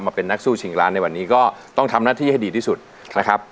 มาเป็นนักสู้ชิงล้านในวันนี้ก็ต้องทำหน้าที่ให้ดีที่สุดนะครับ